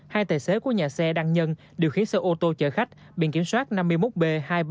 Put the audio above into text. hai tài xế của nhà xe đăng nhân điều khiến sơ ô tô chở khách biện kiểm soát năm mươi một b hai mươi ba nghìn tám trăm linh tám